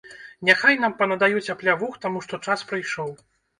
Няхай нам панадаюць аплявух, таму што час прыйшоў.